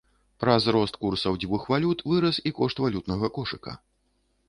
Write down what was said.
Праз рост курсаў дзвюх валют вырас і кошт валютнага кошыка.